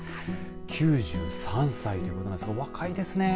９３歳ということなんですが若いですね。